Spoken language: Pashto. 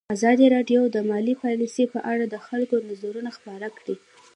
ازادي راډیو د مالي پالیسي په اړه د خلکو نظرونه خپاره کړي.